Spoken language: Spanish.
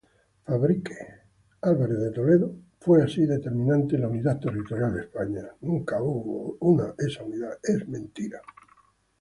Fadrique Álvarez de Toledo fue así determinante en la unidad territorial de España.